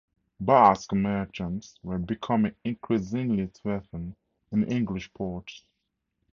Basque merchants were becoming increasingly threatened in English ports.